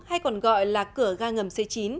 hay còn gọi là cửa gà ngầm c chín